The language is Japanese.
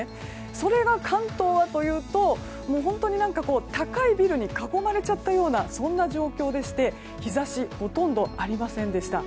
それが関東はというと高いビルに囲まれちゃったようなそんな状況でして、日差しはほとんどありませんでした。